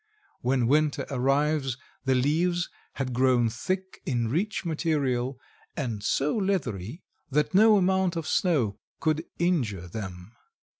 When winter arrives the leaves had grown thick in rich material and so leathery that no amount of snow could injure them.